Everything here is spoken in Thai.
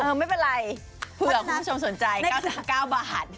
ออไม่เปล่าเพื่อคุณผู้ชมสนใจ๙๙บาท